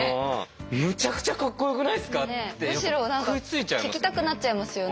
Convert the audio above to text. むちゃくちゃかっこよくないっすかって食いついちゃいますよね。